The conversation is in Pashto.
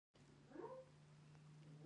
په افغانستان کې ګاز شتون لري.